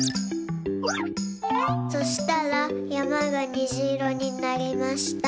そしたらやまがにじいろになりました。